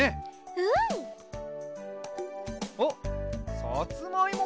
うん。あっさつまいも？